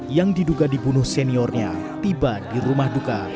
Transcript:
yang diduga dibunuh seniornya tiba di rumah duka